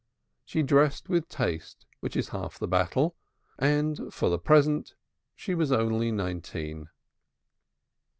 She dressed with taste, which is half the battle, and for the present she was only nineteen.